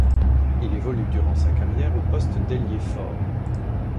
Il évolue durant sa carrière au poste d'ailier fort.